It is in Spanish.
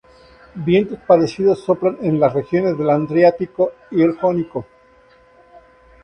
Vientos parecidos soplan en las regiones del Adriático y el Jónico.